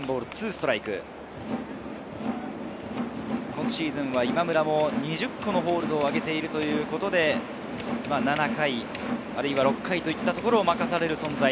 今シーズンは今村も２０個のホールドを挙げているということで、７回、６回といったところを任される存在。